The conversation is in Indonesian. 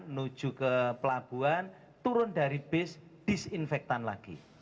menuju ke pelabuhan turun dari base disinfektan lagi